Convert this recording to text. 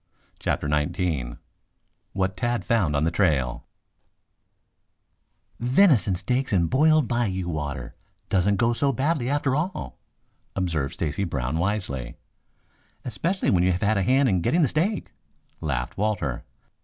CHAPTER XIX WHAT TAD FOUND ON THE TRAIL "Venison steak and boiled bayou water doesn't go so badly after all," observed Stacy Brown wisely. "Especially when you have had a hand in getting the steak," laughed Walter.